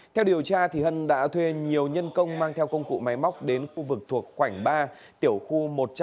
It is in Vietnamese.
theo điều tra hân đã thuê nhiều nhân công mang theo công cụ máy móc đến khu vực thuộc khoảnh ba tiểu khu một trăm bảy mươi